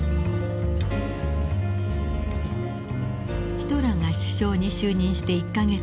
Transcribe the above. ヒトラーが首相に就任して１か月後。